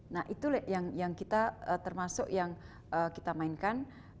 nah itu yang kita termasuk yang kita mainkan